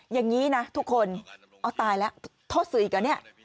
อย่างนี้นะทุกคนอ้าวตายแล้วโทษสื่ออีกแล้ว